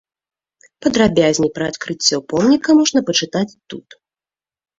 Падрабязней пра адкрыццё помніка можна пачытаць тут.